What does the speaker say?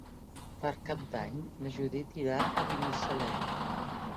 Per Cap d'Any na Judit irà a Binissalem.